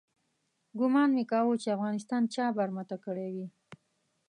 ګومان مې کاوه چې افغانستان چا برمته کړی وي.